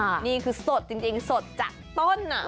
นี่คือสดจริงสดจากต้นอ่ะ